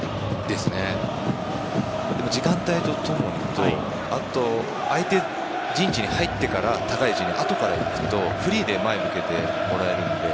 でも、時間帯と共にっていうのと相手陣地に入ってから高い位置にあとから行くとフリーで、前を向けてもらえるので。